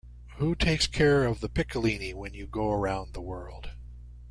Who takes care of the piccolini when you go around the world?